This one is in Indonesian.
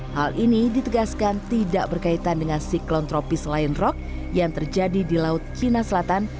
hal ini ditegaskan tidak berkaitan dengan siklon tropis lion rock yang terjadi di laut cina selatan